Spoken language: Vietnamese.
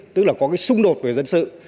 tức là có cái xung đột về dân sự